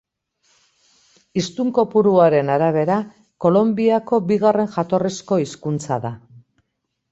Hiztun kopuruaren arabera, Kolonbiako bigarren jatorrizko hizkuntza da.